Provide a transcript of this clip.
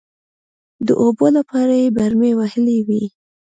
د اوبو لپاره يې برمې وهلې وې.